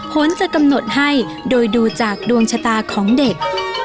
ผลจะกำหนดให้โดยดูจากดวงชะตาของเด็ก